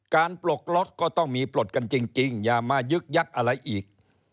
ปลดล็อกก็ต้องมีปลดกันจริงอย่ามายึกยักษ์อะไรอีก